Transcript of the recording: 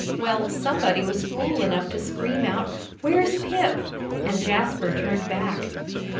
Well, somebody was fool enough to scream out, 'Where's Pip?' and Jasper turned back."